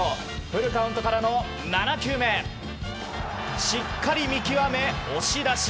フルカウントからの７球目しっかり見極め、押し出し。